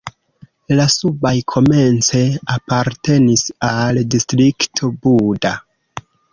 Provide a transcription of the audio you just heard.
La subaj komence apartenis al Distrikto Buda.